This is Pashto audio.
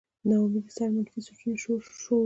د نا امېدۍ سره منفي سوچونه شورو شي